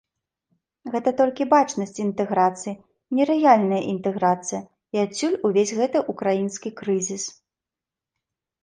Гэта толькі бачнасць інтэграцыі, не рэальная інтэграцыя, і адсюль увесь гэты ўкраінскі крызіс.